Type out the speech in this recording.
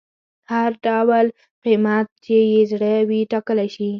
هغه هر ډول قیمت چې یې زړه وي ټاکلی شي.